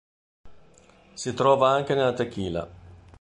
Si trova anche nella tequila.